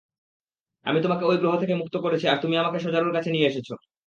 আমি তোমাকে ওই গ্রহ থেকে মুক্ত করেছি আর তুমি আমাকে শজারুর কাছে নিয়ে এসেছ।